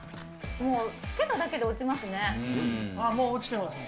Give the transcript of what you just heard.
もうつけただけで落ちますね。